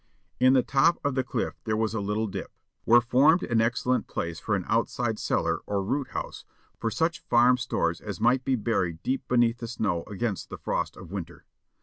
In the top of the cliff there was a little dip, which formed an excellent place for an outside cellar or root house for such farm stores as must be buried deep beneath the snow against the frost of winter.